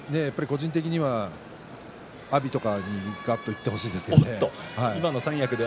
でもやっぱり個人的には阿炎とかに、がっといってほしいですがね。